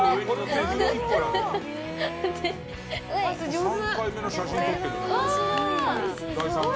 上手！